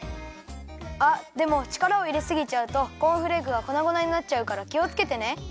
あっでもちからをいれすぎちゃうとコーンフレークがこなごなになっちゃうからきをつけてね。